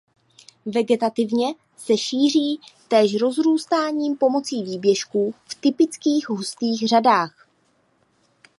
Vegetativně se šíří též rozrůstáním pomocí výběžků v typických hustých řadách.